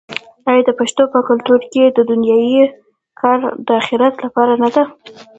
آیا د پښتنو په کلتور کې د دنیا کار د اخرت لپاره نه دی؟